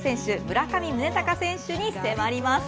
村上宗隆選手に迫ります。